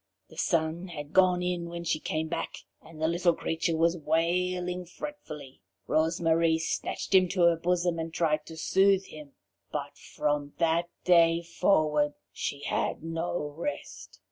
The sun had gone in when she came back, and the little creature was wailing fretfully, Rose Marie snatched him to her bosom and tried to soothe him, but from that day forward she had no rest.